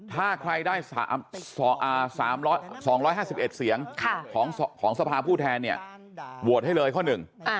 ถ้าใครได้๒๕๑เสียงของสภาผู้แทนเนี่ยโหวตให้เลยข้อหนึ่ง